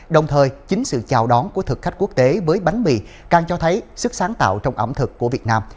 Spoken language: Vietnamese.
đồng thời chính sự chào đón của thực khách quốc tế với bánh mì càng cho thấy sức sáng tạo trong ẩm thực của việt nam